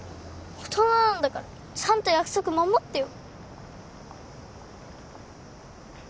大人なんだからちゃんと約束守ってよ。